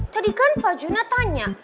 tadi kan pak juna tanya